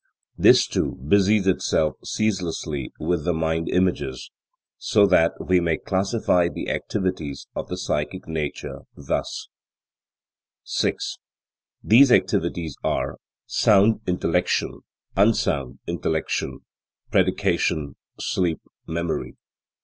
This, too, busies itself ceaselessly with the mind images. So that we may classify the activities of the psychic nature thus: 6. These activities are: Sound intellection, unsound intellection, predication, sleep, memory.